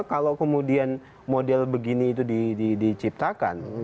kalau kemudian model begini itu diciptakan